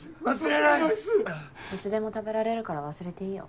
いつでも食べられるから忘れていいよ。